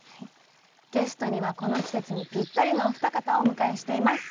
ゲストにはこの季節にぴったりのお二方をお迎えしています。